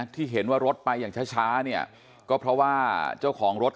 ที่เห็นว่ารถไปอย่างช้าเนี่ยก็เพราะว่าเจ้าของรถ